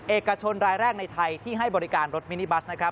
เอกชนรายแรกในไทยที่ให้บริการรถมินิบัสนะครับ